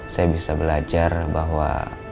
saya bisa belajar bahwa